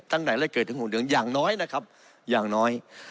ตั้งแต่แรกเกิดถึง๖เดือนอย่างน้อยนะครับอย่างน้อย